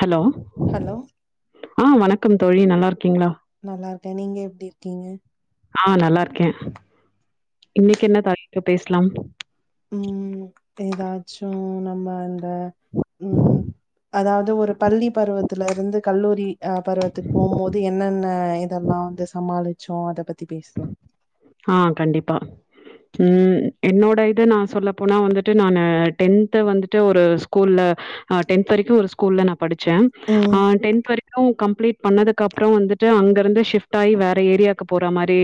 Hello hello ஆ வணக்கம் தோழி நல்லா இருக்கீங்களா நல்லா இருக்கே நீங்க எப்டி இருக்கீங்க ஆ நல்லா இருக்கே இன்னைக்கு என்ன தலைப்பு பேசலாம் ம் ஏதாச்சும் நம்ம இந்த ம் அதாவது ஒரு பள்ளி பருவத்துல இருந்து கல்லூரி அ பருவத்துக்கு போகும்போது என்னென்ன இதெல்லா வந்து சமாளிச்சோம் அத பத்தி பேசலாம் ஆ கண்டிப்பா ம் என்னோட இத நா சொல்ல போனா வந்துட்டு நானு டென்த் வந்துட்டு ஒரு ஸ்கூல்ல ஆ டென்த் வரைக்கு ஒரு ஸ்கூல்ல நா படிச்சேன் ஆ ம் டென் வரைக்கும் கம்ப்ளீட் பண்ணதுக்கு அப்புறோ வந்துட்டு அங்க இருந்து ஷிஃப்ட் ஆகி வேற ஏரியாவுக்கு போற மாரி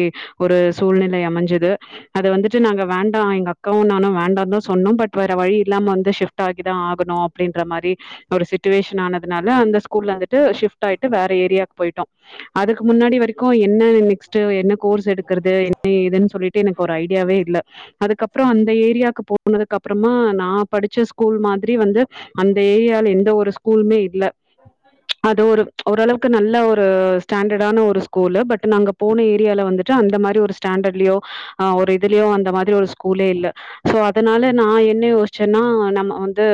ஒரு சூழ்நிலை அமைஞ்சது அது வந்துட்டு நாங்க வேண்டா எங்க அக்காவு நானு வேண்டா தா சொன்னோம் பட் வேற வழி இல்லாம வந்து ஷிபிட் டாகிதா ஆகணு அப்டின்ற மாரி ஒரு சிட்டுவேஷன் ஆனதுனால அந்த ஸ்கூல வந்துட்டு ஷிப்ட் ஆயிட்டு வேற ஏரியாவுக்கு போயிட்டோம் அதுக்கு முன்னாடி வரைக்கு என்ன நெக்ஸ்ட் என்ன கோர்ஸ் எடுக்கிறது இது என்ன இதுன்னு சொல்லிட்டு எனக்கு ஒரு ஐடியாவே இல்ல அதுக்கப்புறோ அந்த ஏரியாவுக்கு போனதுக்கு அப்புறமா நா படிச்ச ஸ்கூல் மாதிரி வந்து அந்த ஏரியால எந்த ஒரு ஸ்கூலுமே இல்ல ச்சு அது ஒரு ச்சு ஓரளவுக்கு நல்ல ஒரு ஸ்டாண்டர்டான ஒரு ஸ்கூல பட் நாங்க போன ஏரியால வந்துட்டு அந்த மாரி ஒரு ஸ்டாண்டர்ட்லயோ ஆ ஒரு இதுலயோ அந்த மாதிரி ஒரு ஸ்கூலே இல்ல சோ அதனால நா என்ன யோசிச்சேன்னா நம்ம வந்து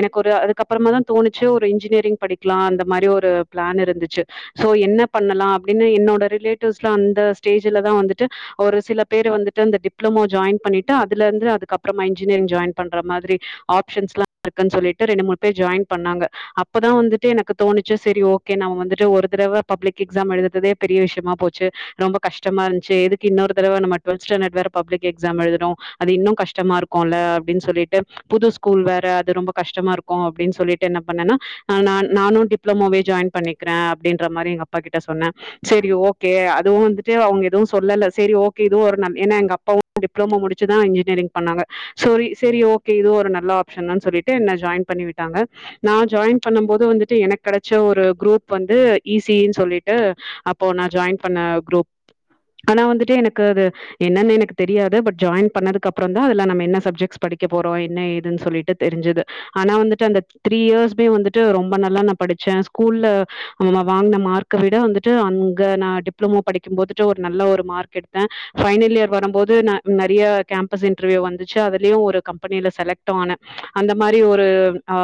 எனக்கு ஒரு அதுக்கப்புறமா தா தோணிச்சு ஒரு இன்ஜினியரிங் படிக்கலா அந்த மாதிரி ஒரு பிளான் இருந்துச்சு சோ என்ன பண்ணலா அப்டின்னு என்னோட ரிலேட்டிவ்ஸ்லா அந்த ஸ்டேஜ்லதா வந்து ட்டு ஒரு சில பேர் வந்துட்டு அந்த டிப்ளமோ ஜாயின் பண்ணிட்டு அதுல இருந்து அதுக்கப்புறமா இன்ஜினியரிங் ஜாயின் பண்றா மாதிரி ஆப்ஷன்ஸ்லா இருக்குன்னு சொல்லிட்டு ரெண்டு மூணு பேர் ஜாயின் பண்ணாங்க அப்பதா வந்துட்டு எனக்கு தோணுச்சு செரி ஓகே நம்ம வந்துட்டு ஒரு தடவை பப்ளிக் எக்ஸாம் எழுதுறதே பெரிய விஷியமா போச்சு ரொம்ப கஷ்டமா இருந்து ச்சே எதுக்கு இன்னொரு தடவை நம்ம ட்வல்த்து ஸ்டேன்டட் வேற பப்லிக் எக்ஸாம் எழுதும் அது இன்னும் கஷ்டமா இருக்கு போல அப்டின்னு சொல்லிட்டு புது ஸ்கூல் வேற அது ரொம்ப கஷ்டமா இருக்கு அப்டின்னு சொல்லிட்டு என்ன பண்ணனா ஆ நான் நானு டிப்ளமோவே ஜாயின் பண்ணிக்கிறேன் அப்டின்ற மாதிரி எங்க அப்பா கிட்ட சொன்னே செரி ஓ கே அதுவு வந்துட்டு அவுங்க சொல்லல செரி ஓகே இது ஒரு ஏன்னா எங்க அப்பாவு டிப்ளமோ முடிச்சுதா இன்ஜினியரிங் பண்ணாங்க சொரி செரி ஓகே இதுவு ஒரு நல்ல ஆப்ஷன்தானு சொல்லிட்டு என்ன ஜாயின் பண்ணி விட்டாங்க நா ஜாயின் பண்ணு போது வந்துட்டு எனக்கு கிடைச்ச ஒரு குரூப் வந்து ஈ சி இ னு சொல்லிட்டு அப்போ நா ஜாயின் பண்ண குரூப் ஆனா வந்துட்டு எனக்கு அது என்னன்னு எனக்கு தெரியாது பட் ஜாயின் பண்ணதுக்குப்புறோ தா அதுல நம்ம என்ன சப்ஜெக்ட்ஸ் படிக்க போறோம் என்ன ஏதுன்னு சொல்லிட்டு தெரிஞ்சது ஆனா வந்துட்டு அந்த த்ரீ இயர்ஸ்மே வந்துட்டு ரொம்ப நல்லா நா படிச்சே ஸ்கூல்ல நா வாங்ன மார்க் விட வந்துட்டு அங்கே நா டிப்ளமோ படிக்கு போதுட்டு ஒரு நல்ல ஒரு மார்க் எடுத்தே ஃபபைனல் இயர் வரும்போது நா நெறையா கேம்பஸ் இன்டர்வியூ வந்துச்சு அதுலயு ஒரு கம்பெனில செலக்ட் டுஆனே அந்த மாரி ஒரு ஆ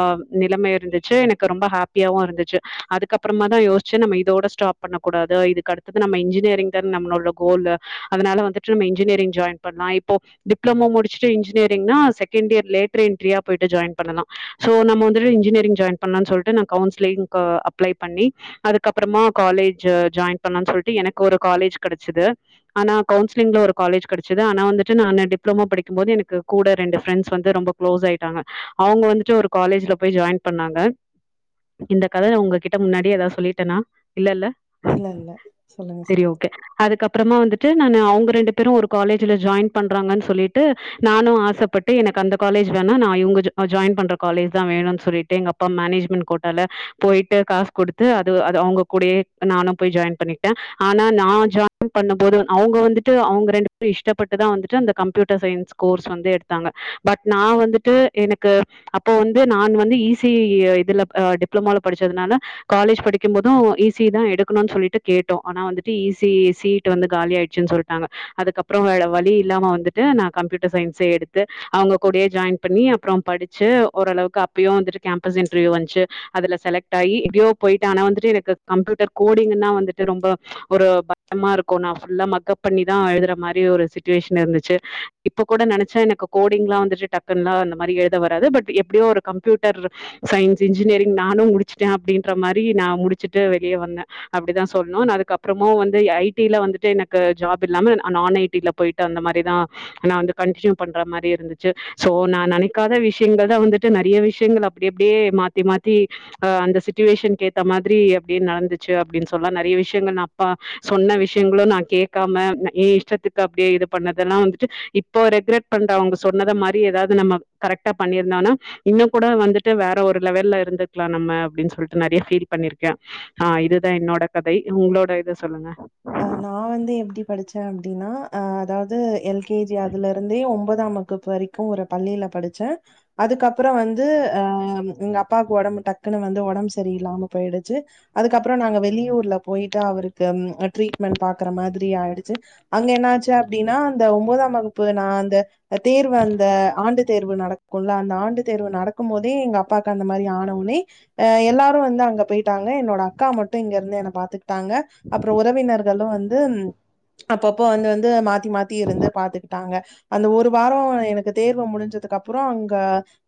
நிலைமை இருந்துச்சு எனக்கு ரொம்ப ஹேப்பியாவு இருந்துச்சு அதுக்கப்புறமா தா யோசிச்சு நம்ம இதோட ஷ்டாப் பண்ணக் கூடாது இது அடுத்தது நம்ம இன்ஜினியரிங் தெம் நம்மளோட கோலு அதனால வந்துட்டு நம்ம இன்ஜினியரிங் ஜாயின் பண்ணலா இப்போ டிப்ளமோ முடிச்சுட்டு இன்ஜினியரிங்னா செகண்ட் இயர் லேட்டர் என்ட்ரியாயிட்டு ஜாயின் பண்ணலா ஸோ நம்ம வந்துட்டு இன்ஜினேரிங் ஜாயின் பண்ணலா சொல்லிட்டு நா கவுன்சிலிங் அப்ளை பண்ணி அதுக்கப்றமா காலேஜ் ஜாயின் பண்ணலானு சொல்லிட்டு எனக்கு ஒரு காலேஜ் கெடச்சது ஆனா கவுன்சிலிங்ல ஒரு காலேஜ் கெடச்சது ஆனா வந்துட்டு நானு டிப்ளமோ படிக்கும் போது எனக்கு கூட ரெண்டு ஃப்ரெண்ட்ஸ் வந்து ரொம்ப க்ளோஸ் ஆயிட்டாங்க அவுங்க வந்துட்டு ஒரு காலேஜ்ல போய் ஜாயின் பண்ணாங்க இந்த கதய உங்ககிட்ட முன்னாடியே ஏதாவது சொல்லிட்டேன்னா இல்லல்ல இல்ல இல்ல சொல்லுங்க செரி சொல்லுங்க ஓகே அதுக்கப்பறமா வந்துட்டு நானு அவ்ங்க ரெண்டு பேரும் ஒரு காலேஜ்ல ஜாயின் பண்றாங்கன்னு சொல்லிட்டு நானும் ஆச‌பட்டு எனக்கு அந்த காலேஜ் வேணா நா இவ்ங்க ஜாயின் பண்ற காலேஜ் தா வேணுனு சொல்லிட்டு எங்க அப் பா மேனேஜ்மெண்ட் கோட்டால போயிட்டு காசு கொடுத்து அது அது அவ்ங்க கூட நானு போய் ஜாயின் பண்ணிட்டே ஆனா நா ஜாயின் பண்ணும்போது அவுங்க வந்துட்டு அவுங்க ரெண்டு பேரு இஷ்டப்பட்டுதா வந்துட்டு அந்த கம்ப்யூட்டர் சயின்ஸ் கோர்ஸ் வந்து எடுத்தாங்க பட் நான் வந்துட்டு எனக்கு அப்போ வந்து நான் வந்து ஈ சி இ இதுல டிப்ளமால படிச்சதுனால காலேஜ் படிக்கும் போதும் ஈ சி இ தா எடுக்கணும்னு சொல்லிட்டு கேட்டோ ஆனா வந்துட்டு ஈ சி இ சீட்டு வந்து காலி ஆயிடுச்சுன்னு சொல்லிட்டாங்க அதுக்கப்றோம் வேற வழி இல்லாம வந்துட்டு நா கம்ப்யூட்டர் சயின்ஸே எடுத்து அவுங்க கூடயே ஜாயின் பண்ணி அப்றோ படிச்சு ஓரளவுக்கு அப்பயும் வந்துட்டு கேம்பஸ் இன்டர்வியூ வந்துச்சு அதுல செலக்ட்டாயி எப்டியோ போயிட்டே ஆனா வந்துட்டு எனக்கு கம்ப்யூட்டர் கோடிங்ன்னா வந்துட்டு ரொம்ப ஒரு பயமாருக்கும் நான் ஃபுல்லா மக்கப் பண்ணிதா எழுதுற மாதிரி ஒரு சிட்டுவேஷன் இருந்துச்சு இப்ப கூட நெனச்சா எனக்கு கோடிங் எலாம் வந்துட்டு டக்குன்னலாம் அந்த மாதிரி எப்டியோ ஒரு கம்ப்யூட்டர் சயின்ஸ் இன்ஜினியரிங் நானும் முடிச்சுட்டேன் அப்டின்ற மாதிரி நாி முடிச்சுட்டு வெளியே வந்தே அப்டிதா சொல்ணு நர அதுக்கு அப்புறமும் வந்து ஐ டீல வந்துட்டு எனக்கு ஜாப் இல்லாம நான் ஐ டீல போயிட்டு அந்த மாதிரிதான் நா வந்து கண்டினியூ பண்ற மாறி இருந்துச்சு சோ நா நெனக்காத விஷயங்கள் தா வந்துட்டு நெறைய விஷயங்கள் அப்டி அப்டியே மாத்தி மாத்தி அ அந்த சிட்டுவேஷன் கேத்த மாதிரி அப்டின்னு நடந்துச்சு அப்டின்னு சொல்லா நெறைய விஷ்யோ எங்கன் அப்பா சொன்ன விஷ்யங்களும் நா கேக்காம ஏ இஷ்டத்துக்கு அப்டியே இது பண்ணதெல்லாம் வந்துட்டு இப் இப்ப ரெக்ரெட் பண்ற அவுங்க சொன்னத மாதிரி ஏதாவது நம்ம கரெக்டா பண்ணிருந்தனா இன்னு கூட வந்துட்டு வேற ஒரு லெவல்லல இருந்துக்கலா நம்ம அப்டின்னு சொல்லிட்டு நெறைய ஃபீல் பண்ணிருக்கே ஆ இதுதான் என்னோட கதை உங்களோட இத சொல்லுங்க ஆ நா வந்து எப்டி படிச்சேன் அப்டின்னா அதாவது எல் கே ஜி அதுல இருந்தே ஒம் பதாம் வகுப்பு வரைக்கும் ஒரு பள்ளில படிச்சே அதுக்கப்றோ வந்து அ எங்க அப்பாவுக்கு ஒடம்பு டக்குன்னு வந்து ஒடம்பு சரியில்லாம போயிடுச்சு அதுக்கப்றோ நாங்க வெளியூர்ல போயிட்டு அவருக்கு ட்ரீட்மெண்ட் பாக்குற மாதிரி ஆயிடுச்சு அங்க என்ன ஆச்சு அப்டின்னா அந்த ஒன்பதாம் வகுப்பு நா அந்த தேர்வு அந்த ஆண்டு தேர்வு நடக்குல அந்த ஆண்டு தேர்வு நடக்கும் போதே எங்க அப்பாக்கு அந்த மாரி ஆனவொன்னே அ எல்லாரு வந்து அங்க போயிட்டாங்க என்னோட அக்கா மட்டும் இங்க இருந்து என்ன பாத்துகுட்டாங்க அப்றோ ஒரு உறவினர்களும் வந்து அப்பப்போ வந்து வந்து மாத்தி மாத்தி இருந்து பாத்துக்கிட்டாங்க அந்த ஒரு வாரோ எனக்கு தேர்வு முடிஞ்சதுக்கு அப்றோ அங்க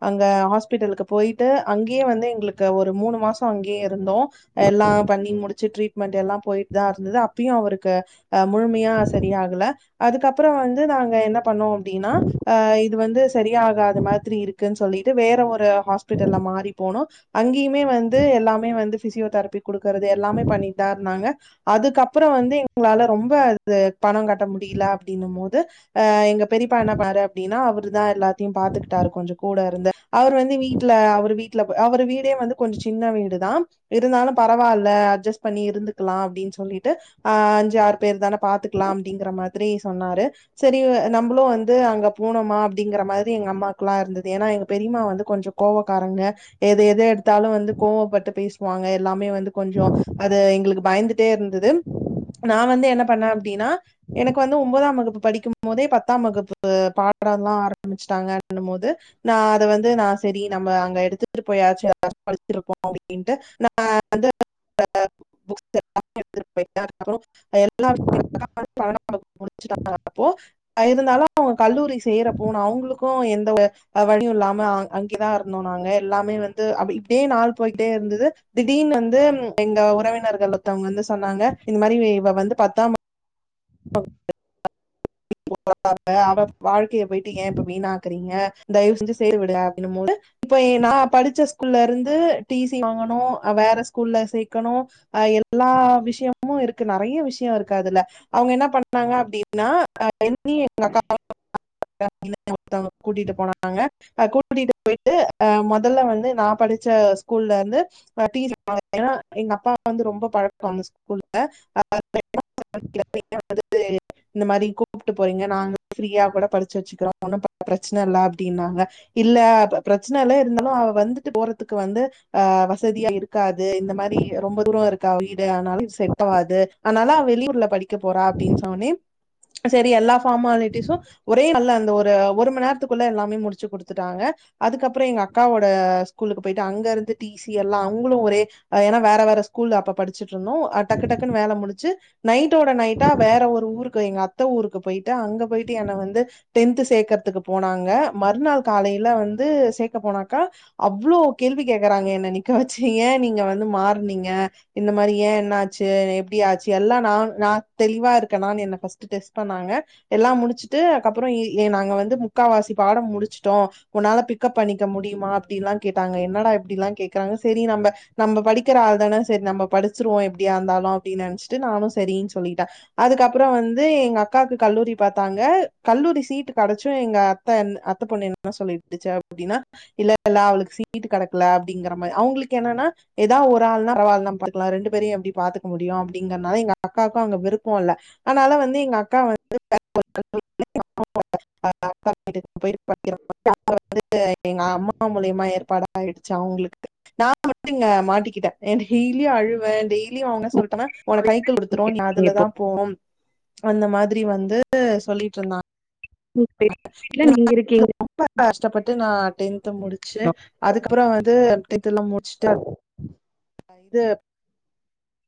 அங்க ஹாஸ்பிட்டலுக்கு போயிட்டு அங்கயே வந்து எங்களுக்கு ஒரு மூணு மாசோ அங்கயேருந்தோம் எல்லாம் பண்ணி முடிச்சு ட்ரீட்மெண்ட் எல்லா போயிட்டு தான் இருந்தது அப்பயு அவருக்கு அ முழுமையா சரியாகல அதுக்கப்றோ வந்து நாங்க என்ன பண்ணோம் அப்டின்னா அ இது வந்து சரியாகாத மாதிரி இருக்குன்னு சொல்லிட்டு வேற ஒரு ஹாஸ்பிட்டல்ல மாறி போனோ அங்கயுமே வந்து எல்லாமே வந்து பிசியோதெரபி குடுக்குறது எல்லாமே பண்ணிட்தா இருந்தாங்க அதுக்கப்றோ வந்து எங்களால ரொம்ப அது பணம் கட்ட முடியல அப்டினனு போது ஆ எங்க பெரியப்பா என்ன பண்ணாரு அப்டின்னா அவரு தா எல்லாத்தையு பாத்துக்கிட்டாரு கொஞ்சோ கூட இருந்த அவர் வந்து வீட்ல அவர் வீட்ல அவர் வீடே வந்து கொஞ்ச சின்ன வீடுதா இருந்தாலு பரவால அட்ஜஸ்ட் பண்ணி இருந்துக்கலா அப்டின்னு சொல்லிட்டு அ அஞ்சு ஆறு பேர் தானே பாத்துக்கலா அப்டிங்கற மாதிரி சொன்னாரு சரி நம்பளு வந்து அங்க போனோமா அப்டிங்கிற மாறி எங்க அம்மாக்குல்லா இருந்தது ஏன்னா எங்க பெரிம்மா வந்து கொஞ்சோ கோவக்காரங்க எத எத எடுத்தாலு வந்து கோவப்பட்டு பேசுவாங்க எல்லாமே வந்து கொஞ்ச அது எங்களுக்கு பயந்து ட்டே இருந்தது நா வந்து என்ன பண்ணே அப்டின்னா எனக்கு வந்து ஒன்பதாம் வகுப்பு படிக்கு போதே பத்தாம் வகுப்பு பாடம் எல்லா ஆரம்பிச்சுட்டாங்கண்ணு போது நா அதை வந்து நா செரி நம்ம அங்க எடுத்துட்டு போயாச்சும் படிச்சிருப்போ அப்டின்ட்டு நா [unintelligible] [unintelligible] அ இருந்தாலு அவங்க கல்லூரி செய்யற போனு அவங்களுக்கு எந்த அ வழியு இல்லாம அங்கேதா இருந்தோ நாங்க எல்லாமே வந்து அப்டி இப்டியே நாள் போயிட்டே இருந்தது திடீர்ன்னு வந்து எங்க உறவினர்கள் மத்தவங்க வந்து சொன்னாங்க இந்த மாரி இவ வந்து பத்தாம் [inaudible] [unintelligible] அவ வாழ்க்கையை போயிட்டு ஏ இப்ப வீணாக்குறீங்க தயவு செஞ்சு சேரவிடுங்க அப்பிடின்னு போது இப்ப நா படிச்ச ஸ்கூல்ல இருந்து டீ சி வாங்கனு வேற ஸ்கூல்ல சேக்கணு ஆ எல் லா விஷயமு இருக்கு நெறைய விஷயோ இருக் கு அதுல அவுங்க என்ன பண்ணாங்க அப்டின்னா என்னியு எங்க அக்கா [unintelligible] [unintelligible] கூட்டிட்டு போனாங்க அ கூட்டிட்டு போயிட்டு அ மொதல்ல வந்து நா படிச்ச ஸ்கூல்ல இருந்து [unintelligible] எங்க அப்பா வந்து ரொம்ப பாங்க ஸ்கூல [unintelligible] இந்த மாரி கூப்பிட்டு போறீங்க நாங்க ஃப்ரீயா கூட படிச்சு வச்சுக்கிறோ ஒன்னு பிரச்சனை இல்ல அப்டின்னாங்க இல்ல பிரச்சனை எல்லா இருந்தாலு அவ வந்துட்டு போறதுக்கு வந்து ஆ வசதியா இருக்காது இந்த மாரி ரொம்ப தூரம் இருக் க அவ வீடு அதனால செட்டாவாது அதனால வெளியூர்ல படிக்க போறா அப்டின்னு சொன்னவுடனே செரி எல்லா ஃபார்மாலிட்டிஸும் ஒரே நாள்ள அந்த ஒரு ஒரு மணி நேரத்துக்குள்ள எல்லாமே முடிச்சு குடுத்துட்டாங்க அதுக்கப் ப்புற எங்க அக்காவோட ஸ்கூலுக்கு போயி ட்டு அங்க இருந்துட்டு டி சி எல்லா அவங்களு ஒரே ஏனா வேற வேற ஸ்கூல் அப்ப படிச்சட்டு இருந்தோ அ டக்கு டக்குன்னு வேலை முடிச்சு நைட்டோட நைட்டா வேற ஒரு ஊருக்கு எங்க அத்த ஊருக்கு போயிட்டு அங்க போயிட்டு என்ன வந்து டென்து சேக்கறதுக்கு போனாங்க மறுநாள் காலையில வந்து சேக்க போனாக்கா அவ்ளோ கேள்வி கேக்குறாங்க என்ன நிக்க வச்சு ஏ நீங்க வந்து மாறனீங்க இந்த மாரி ஏ என்ன ஆச்சு எப்டி ஆச்சு எல்லாம் நா நா தெளிவா இருக்கனானு என்ன ஃபர்ஸ்ட்டு டெஸ் பண்ணாங்க எல்லா முடிச்சுட்டு அதுக்கப்றொ ஏ நாங்க வந்து முக்காவாசி பாடம் முடுச்ட்டோ உன்னால பிக்கப் பண்ணிக்க முடியுமா அப்டில்லா கேட்டாங்க என்னடா இப்டிலா கேக்குறாங்க செரி நம்ம நம்ப படிக்கிற ஆள் தானே சரி நம்ப படிச்ருவோ எப்டியா ருந்தாலு அப்டினு நெனச்சிட்டு நானு சரினு சொல்ட்டே அதுக்கப்புற வந்து எங்க அக்காக்கு கல்லூரி பாத்தாங்க கல்லூரி சீட்டு கெடச்சும் எங்க [unintelligible] அத்த பொண்ணு என்ன சொல்லிருந்துச்சு அப்டினா இல்ல இல்ல அவளுக்கு சீட்டு கெடக்கல அப்டிங்கற மாரி அவங்களுக்கு என்னன்னா ஏதாவ ஒரு ஆள்னா பரவால்ல பாத் துகல ரெண்டு பேரயு எப்டி பாத்துக்க முடியு அப்டிங்கறனால எங்க அக்காக்கு அங்க விருப் போல அதனால வந்து எங்கக்கா வந்து [inaudible] [inaudible] வந்து எங்கம்மா மூலியமா ஏற்பாடா ஆயிடுச்ச அவங்களுக்கு நா மட்டு இங்க மாட்டிக்கிட்டே [inaudible] லி அழுவ டெய்லி வாங்க சொல்ட்டன உங்க உனக் வீட்டுக்கு கைக்கடுத்துரு நீங்க இப்போ அதுலதா போவோம் அந்த மாதிரி வந்து சொல்லிட்ருந்தாங்க ம் [inaudible] ரொம்ப கஷ்டப்பட்டு நா டென்த் து முடிச்சு அதுக்கப்பற வந்து இதெல்லா முட்ச்சுட்டு இது [inaudible]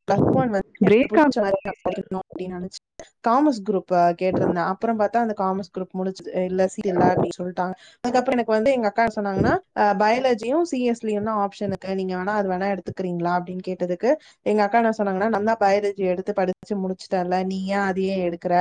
பிரேக் ஆகுது வாய்ஸ். படிக்கணு அப்டினு நெனச்சு காமர்ஸ் குரூப் ப கேட்ருந்த அப்பற பாத்தா அந்த காமர்ஸ் குருப் முடிச்சுட்டு இல்ல சீட் இல்ல அப்டி சொல்ட்டாங்க அதுக்கப்றொ எனக்வந்து எங்க க்கா சொன்னாங்னா அ பயாலஜியு சி எஸ் இப்டி ஒன்னு ஆப்ஷனுருக்கு நீங்க வேணா அது வேணா எடுத்துக்றீங்ளா அப்டினு கேட்டதுக்கு எங்கக்கா என்ன சொன்னாங்கன்னா நந்தா பயாலஜி எடுத்து படிச்சு முடிச்சுட்டேன்ல நீ ஏ அதையே எடுக்கற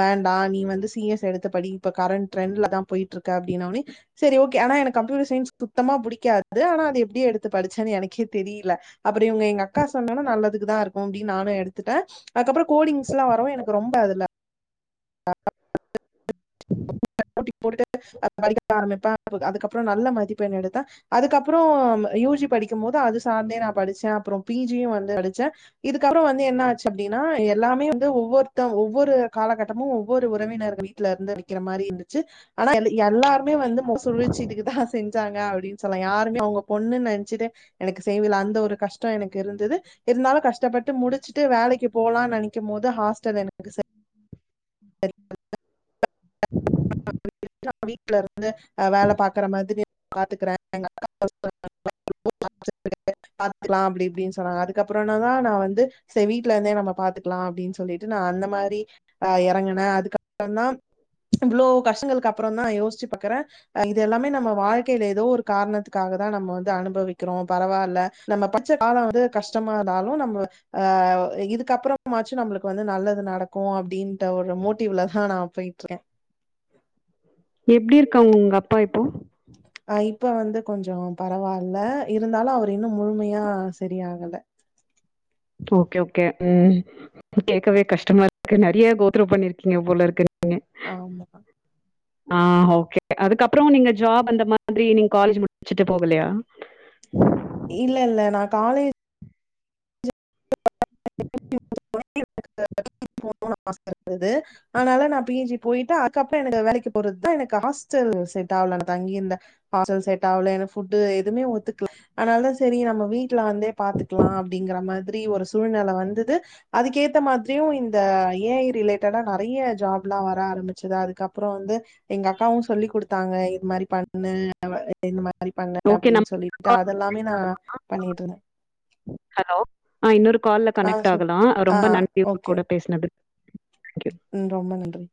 வாண்டா நீ வந்து சி எஸ் எடுத்து படி இப்ப கரண்ட் ட்ரெண்ல தா போயிட்ருக்கு அப்டினனொனே செரி ஓகே ஆனா எனக்கு கம்ப்யூட்டர் சயின்ஸ் சுத்தமா புடிக்காது ஆனா அது எப்டி எடுத்து படிச்சேனு எனக்கே தெரியில அப்றம் இவங்க எங்கக்காஸ் சொன்னொனெ நல்லதுக்கு தா இருக்கு அப்டினு நானு எடுத்துட்டே அதுக்கப்பறோ கோடிங்ஸ்லா வரவு எனக் ரொம்ப அதுல [inaudible] ஆரமிப்பா அதுக்கப்றொ நல்ல மதிப்பெண் எடுத்த அதுக்கப்பறோ யூ ஜி படிக்கும் போது அது சார்ந்தே நா படிச்சே அப்றோ பி ஜியு வந்து படிச்சே இதுக்கப்பறோ வந்து என்னாச்சு அப்டினா எல்லாமே வந்து ஒவ்வொருத்த ஒவ்வொரு காலகட் மு ஒவ்வொரு உறவினர்கள் வீட்ல இருந்து படிக்கிற மாரி இருந்துச்சு ஆனா எல்லாருமே வந்து மொகசுழிச்சி இதுக்குதா செஞ்சாங்க அப்டினு சொல்ல யாருமே அவுங்க பொண்ணு நெனைச்சுட்டு எனக்கு செய்வில அந்த ஒரு கஷ்டொ எனக்கு இருந்துது இருந்தாலு கஷ்டப்பட்டு முடிச்சுட்டு வேலைக்கு போகலான்னு நெனக்கும் போது ஹாஸ்டல் எனக்கு [inaudible] [inaudible] நா வீட்டுல இருந்து ஆ வேலை பாக்குற மாரி பாத்துக்கறே எங்ககக்கா [inaudible] பாத்துக்கலா அப்டி இப்டின்னு சொன்னாங்க அதுக்கப்பறோ என்ன தா நா வந்து செரி வீட்லருந்தே நம்ம பாத்துக்லா அப்டினு சொல்லிட்டு நா அந்த மாரி ஆ எறங்கு நா அதுக்கப்றொ தா இவ்ளோ கஷ்டங்களுக்கு அப்றொந்தா யோசிச்சு பாக்றே இது எல்லாமே நம்ம வாழ்க்கையில ஏதோ ஒரு காரணத்துக்காக தா நம்ம வந்து அனுபவிக்கிறோ பரவால்ல நம்ம பட்ச காலொ வந்து கஷ்டமார்ந்தாலு நம்ம ஆ இதுக்கப்றொமாச்சு நம்ள வந்து நல்லது நடக்கு அப்டின்ற ஒரு மோட்டிவ்லதா நா போய்ட்ருக்கே எப்டிருக்காங்க உங்கப்பா இப்போ ஆ இப்ப வந்து கொஞ்ச பரவால்ல இருந்தாலு அவர் இன்னு முழுமையா சரியாகல ஓகே ஓகே ம் கேட்கவே கஷ்டமா இருக்கு நெறைய கோத் ரூவ் பண்ணிருக்கீங்க போல இருக்கு நீங்க ஆமா ஆ ஓகே அதுக்கப்பறோ நீங்க ஜாப் அந்த மாதிரி நீங்க காலேஜ் முடிச்சுட்டு போகலையா இல்ல இல்ல நா காலே [inaudible] அனால நா பி ஜி போயிட்டு அதுக்கப்றொ எனக் வேலக்கி போறது தா எனக் ஹாஸ்டல் செட் ஆகல நா தங்கிருந்த ஹாஸ்டல் செட்டாவ்ல எனக்கு ஃபுட்டு எதுவுமே ஒத்துக்ல அதனால தா செரி நம்ம வீட் ட்ல வந்தே பாத்துக்கலாம் அப்படிங்கற மாதிரி ஒரு சூழ்நெல வந்தது அதுக்கு ஏத்த மாதிரியு இந்த ஏஐ ரிலேட்டடா நறைய ஜாப்லா வர ஆரம்பச்சுது அதுக்கப்றொ வந்து எங்க அக்காவும் சொல்லி குடுத்தாங்க இது மாதிரி பண்ணு அவஇந் மாரி பண்ணு ஓகே அப்டினு நம்ம சொல்லிட்டு அதெலாமே நா பண்ணிட்ருந்தே ஹலோ ஆ இன்னொரு கால்ல ஆ கனெக்ட் சொல் ஆகலா ஆ ரொம்ப நன்றி உங்க ஓகே கூட ஓகே பேசினது தேங்க் யூ. ம் ரொம்ப நன்றி